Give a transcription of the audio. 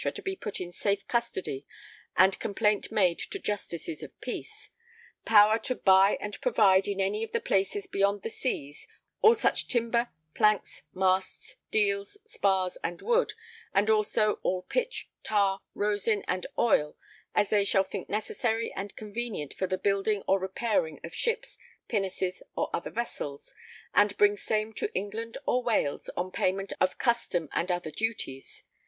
to be put in safe custody and complaint made to Justices of Peace.... Power to_] buy and provide in any the places beyond the seas all such timber planks masts deals spars and wood and also all pitch, tar, rosin and oil as they shall think necessary and convenient for the building or repairing of ships pinnaces or other vessels [_and bring same to England or Wales on payment of custom and other duties.